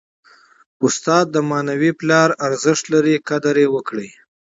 استاد د معنوي پلار ارزښت لري. قدر ئې وکړئ!